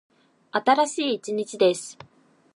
新しい一日です。